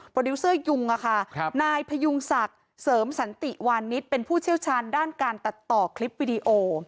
ดิวเซอร์ยุงนายพยุงศักดิ์เสริมสันติวานิสเป็นผู้เชี่ยวชาญด้านการตัดต่อคลิปวิดีโอ